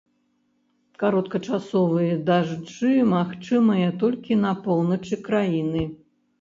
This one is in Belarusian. Кароткачасовыя дажджы магчымыя толькі на поўначы краіны.